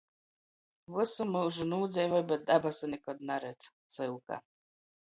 Vysu myužu nūdzeivoj, bet dabasu nikod naredz. Cyuka.